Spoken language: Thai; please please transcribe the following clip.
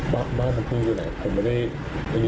บ้านน้ำผึ้งอยู่ไหนผมไม่ได้